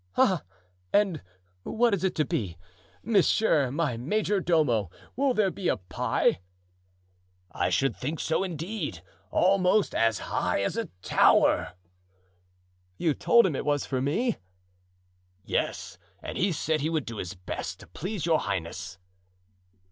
"Ah! and what is it to be? Monsieur, my majordomo, will there be a pie?" "I should think so, indeed—almost as high as a tower." "You told him it was for me?" "Yes, and he said he would do his best to please your highness."